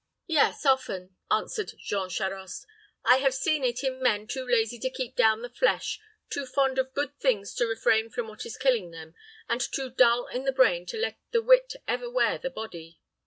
"Yes, often," answered Jean Charost. "I have seen it in men too lazy to keep down the flesh, too fond of good things to refrain from what is killing them, and too dull in the brain to let the wit ever wear the body."